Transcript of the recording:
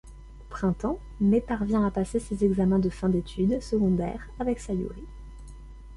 Au printemps, Mai parvient à passer ses examens de fin d'études secondaires avec Sayuri.